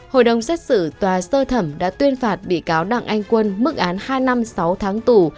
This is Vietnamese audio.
hội đồng xét xử tòa sơ thẩm đã tuyên phạt bị cáo đặng anh quân mức án hai năm sáu tháng tù